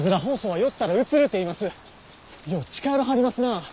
よう近寄らはりますな。